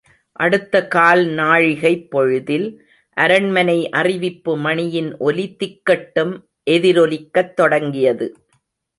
அடுத்த கால்நாழிகைப் பொழுதில், அரண்மனை அறிவிப்பு மணியின் ஒலி திக்கெட்டும் எதிரொலிக்கத் தொடங்கியது.